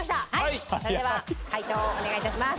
それでは解答をお願い致します。